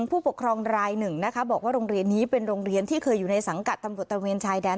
ผู้ปกครองรายหนึ่งนะคะบอกว่าโรงเรียนนี้เป็นโรงเรียนที่เคยอยู่ในสังกัดตำรวจตะเวนชายแดน